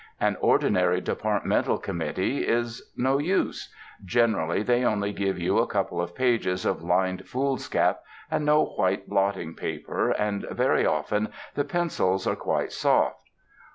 An ordinary departmental committee is no use: generally they only give you a couple of pages of lined foolscap and no white blotting paper, and very often the pencils are quite soft.